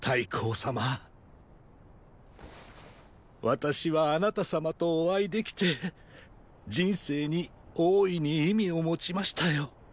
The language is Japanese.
私はあなた様とお会いできて人生に大いに意味を持ちましたよ。